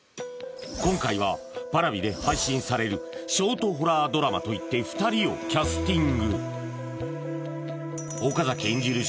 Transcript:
今回はＰａｒａｖｉで配信されるショートホラードラマといって２人をキャスティング岡崎演じる